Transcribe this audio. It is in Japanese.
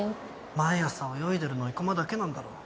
毎朝泳いでるの生駒だけなんだろ。